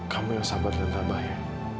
kamu yang sabar dengan baba ya